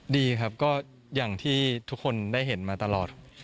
ดีครับก็อย่างที่ทุกคนได้เห็นมาตลอด